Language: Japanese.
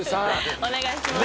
お願いします